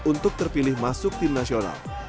untuk terpilih masuk tim nasional